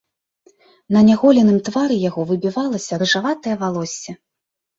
На няголеным твары яго выбівалася рыжаватае валоссе.